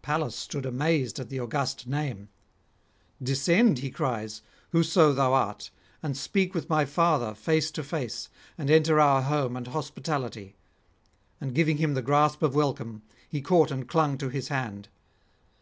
Pallas stood amazed at the august name. 'Descend,' [122 154]he cries, 'whoso thou art, and speak with my father face to face, and enter our home and hospitality.' And giving him the grasp of welcome, he caught and clung to his hand.